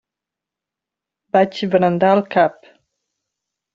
Vaig brandar el cap.